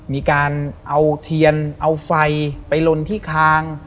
มีการเอาเทียนเอาไฟไปลนที่คาง